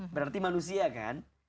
berarti manusia kan